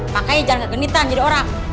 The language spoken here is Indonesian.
makanya jangan gak genitan jadi orang